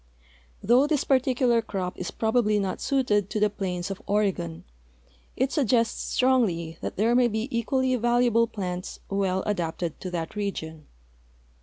Though this particular crop is probably not suited to the plains of Oregon, it suggests strongly that there may be equally valuable plants well adapted to that region.